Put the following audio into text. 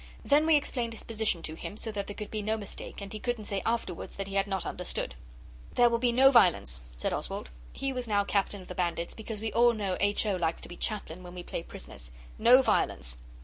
Then we explained his position to him, so that there should be no mistake, and he couldn't say afterwards that he had not understood. 'There will be no violence,' said Oswald he was now Captain of the Bandits, because we all know H. O. likes to be Chaplain when we play prisoners 'no violence.